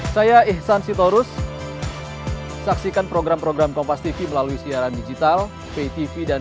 saya ihsan sitorus saksikan program program kompas tv melalui siaran digital pay tv dan